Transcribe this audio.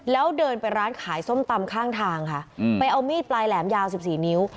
แล้วเดินไปร้านขายส้มตำข้างทางค่ะไปเอามีดปลายแหลมยาว๑๔นิ้ว